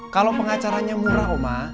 kalau pengacaranya murah oma